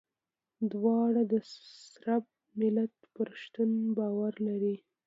دواړه د صرب ملت پر شتون باور لري.